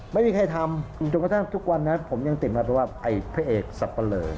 ไม่มีใครทำจนกระทั่งทุกวันนั้นผมยังติดมาเพราะว่าไอ้พระเอกสับปะเลอ